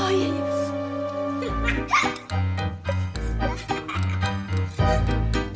ayo dibuat lebih penting